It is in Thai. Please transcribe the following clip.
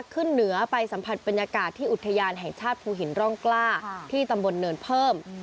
ขึ้นเหนือไปสัมผัสบรรยากาศที่อุทยานแห่งชาติภูหินร่องกล้าที่ตำบลเนินเพิ่ม